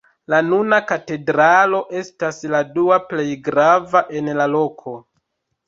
La nuna katedralo estas la dua plej grava en la loko.